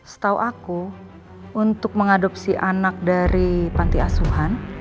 setahu aku untuk mengadopsi anak dari panti asuhan